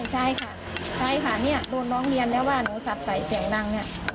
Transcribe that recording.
ใช่ค่ะโดนร้องเรียนแล้วว่าหนูสับไก่เสียงดัง